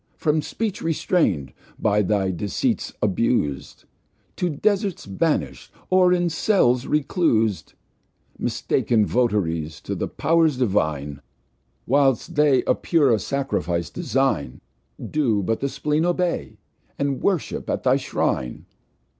From Speech restrain'd, by thy Deceits abus'd, To Desarts banish'd, or in Cells reclus'd, Mistaken Vot'ries to the Pow'rs Divine, Whilst they a purer Sacrifice design, Do but the Spleen obey, and worship at thy Shrine.